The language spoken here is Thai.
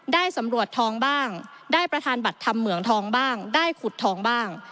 ได้สำรวจทองบ้างได้ประธานบัตรธรรมเหมืองทองบ้างได้ขุดทองบ้าง